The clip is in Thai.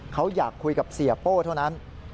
เขาอยากคุยกับเสียโป้เท่านั้น